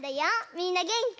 みんなげんき？